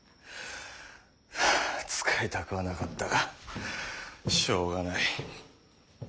ハァ使いたくはなかったがしょうがない。